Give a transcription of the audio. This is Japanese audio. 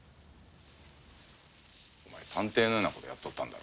お前探偵のようなことをやっとったんだろう。